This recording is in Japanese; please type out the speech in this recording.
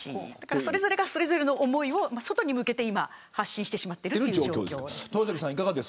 それぞれが、それぞれの思いを外に向けて発信してしまっているという状況。